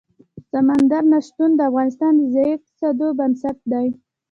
سمندر نه شتون د افغانستان د ځایي اقتصادونو بنسټ دی.